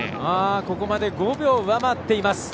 ここまで５秒上回っています。